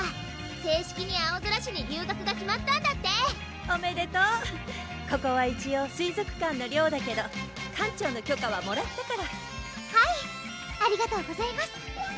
正式にあおぞら市に留学が決まったんだっておめでとうここは一応水族館の寮だけど館長の許可はもらったからはいありがとうございます！